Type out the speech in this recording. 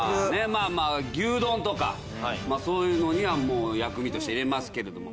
まあまあ牛丼とかそういうのには薬味として入れますけれども。